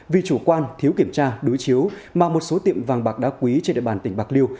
vì chủ quan thiếu kiểm tra đối chiếu mà một số tiệm vàng bạc đá quý trên địa bàn tỉnh bạc liêu